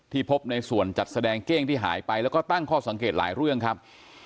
พบในส่วนจัดแสดงเก้งที่หายไปแล้วก็ตั้งข้อสังเกตหลายเรื่องครับ